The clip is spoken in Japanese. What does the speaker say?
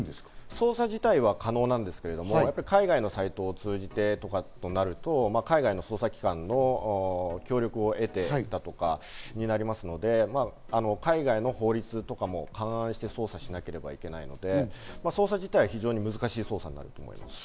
捜査自体は可能なんですが海外のサイトを通じてとかなると、海外の捜査機関の協力を得てだとかになりますので、海外の法律とかも勘案して捜査しなければいけないので捜査自体、非常に難しい捜査になります。